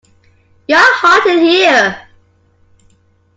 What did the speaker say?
You are hot in here!